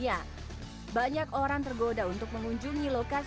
apalagi yang pas menghadap ke sana ke depan